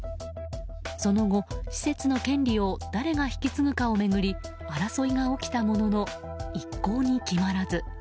その後、施設の権利を誰が引き継ぐかを巡り争いが起きたものの一向に決まらず。